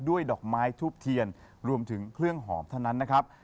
ดอกไม้ทูบเทียนรวมถึงเครื่องหอมเท่านั้นนะครับ